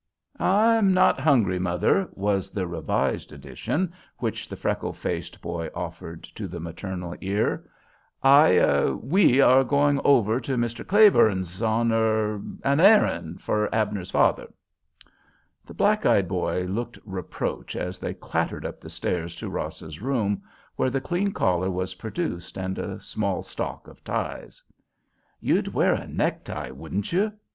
"I'm not hungry, mother," was the revised edition which the freckle faced boy offered to the maternal ear. "I—we are going over to Mr. Claiborne's—on—er—on an errand for Abner's father." The black eyed boy looked reproach as they clattered up the stairs to Ross's room, where the clean collar was produced and a small stock of ties. "You'd wear a necktie—wouldn't you?"